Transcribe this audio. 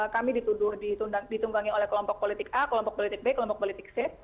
kami dituduh ditunggangi oleh kelompok politik a kelompok politik b kelompok politik c